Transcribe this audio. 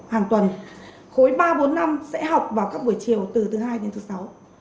hàng tuần khối ba bốn năm sẽ học vào các buổi chiều từ thứ hai đến thứ sáu